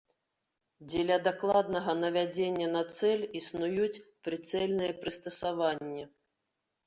Дзеля дакладнага навядзення на цэль існуюць прыцэльныя прыстасаванні.